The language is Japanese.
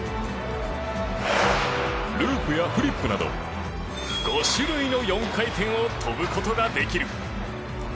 ループやフリップなど５種類の４回転を跳ぶ事ができる。